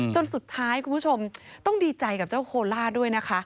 จนสุดท้ายคุณผู้ชมต้องดีใจกับเจ้าโคล่าด้วยนะคะ